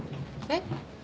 えっ？